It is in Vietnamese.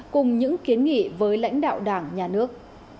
cùng những kiến nghị với lãnh đạo đảng nhà nước